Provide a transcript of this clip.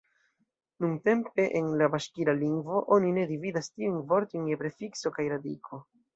Nuntempe en la baŝkira lingvo oni ne dividas tiujn vortojn je prefikso kaj radiko.